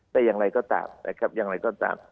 แต่อย่างไรก็ตามสุดท้ายเนี่ย